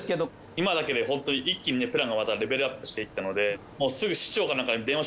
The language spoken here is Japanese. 今だけで本当に一気にプランがまたレベルアップしていったので。